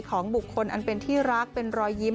ของบุคคลอันเป็นที่รักเป็นรอยยิ้ม